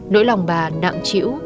nỗi lòng bà nặng chịu